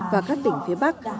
và các tỉnh phía bắc